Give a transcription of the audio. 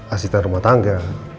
asisten rumah tangga